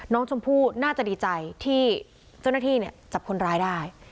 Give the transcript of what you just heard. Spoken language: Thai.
น้องชมพู่น่าจะดีใจที่เจ้าหน้าที่จับคนร้ายได้